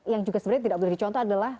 yang juga sebenarnya tidak boleh dicontoh adalah